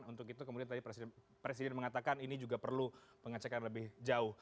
untuk itu kemudian tadi presiden mengatakan ini juga perlu pengecekan lebih jauh